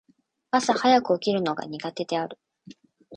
朝早く起きるのが苦手である。